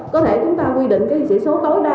có thể chúng ta quy định sỉ số tối đa